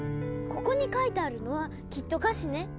ここに書いてあるのはきっと歌詞ね！